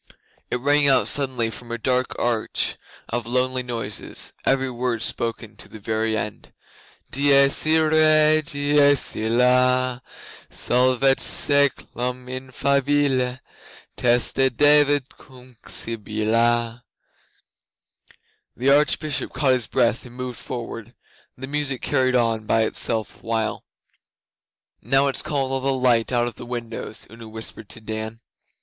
It rang out suddenly from a dark arch of lonely noises every word spoken to the very end: 'Dies Irae, dies illa, Solvet saeclum in favilla, Teste David cum Sibylla.' The Archbishop caught his breath and moved forward. The music carried on by itself a while. 'Now it's calling all the light out of the windows,' Una whispered to Dan.